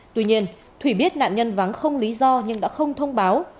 tuy nhiên thủy biết nạn nhân vắng không lý do nhưng đã không thông báo